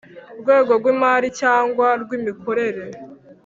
rwego rw imari cyangwa rw imikorere